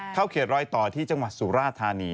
เข้าเขตลอยต่อที่จังหวัดสูราชธานี